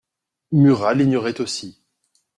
Murat l'ignorait aussi.